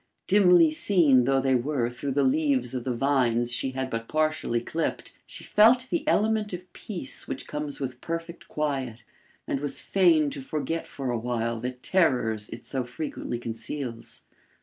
Dimly seen though they were through the leaves of the vines she had but partially clipped, she felt the element of peace which comes with perfect quiet, and was fain to forget for awhile the terrors it so frequently conceals.